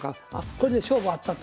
これで勝負あったと。